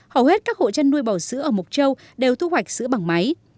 hầu hết các hộ chăn nuôi bò sữa ở mộc châu đều thu hoạch sữa bằng máy